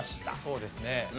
そうですね。